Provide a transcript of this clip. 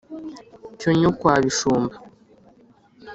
cyonyo kwa bishumba